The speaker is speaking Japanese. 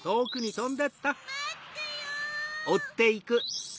まってよ！